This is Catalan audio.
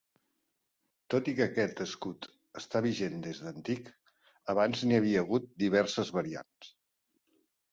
Tot i que aquest escut està vigent des d'antic, abans n'hi havia hagut diverses variants.